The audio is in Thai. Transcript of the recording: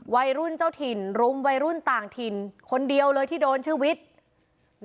วัยรุ่นเจ้าถิ่นรุมวัยรุ่นต่างถิ่นคนเดียวเลยที่โดนชื่อวิทย์